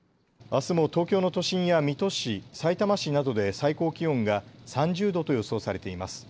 あすも東京の都心や水戸市、さいたま市などで最高気温が３０度と予想されています。